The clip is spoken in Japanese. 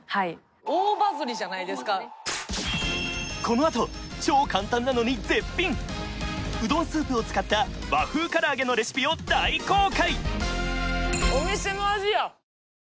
このあと超簡単なのに絶品うどんスープを使った和風から揚げのレシピを大公開